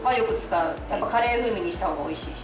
やっぱカレー風味にした方がおいしいし。